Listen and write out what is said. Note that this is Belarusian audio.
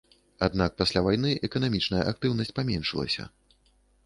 Аднак пасля вайны эканамічная актыўнасць паменшылася.